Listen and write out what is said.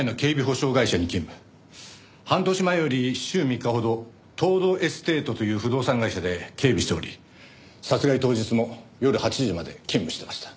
半年前より週３日ほど東堂エステートという不動産会社で警備しており殺害当日も夜８時まで勤務していました。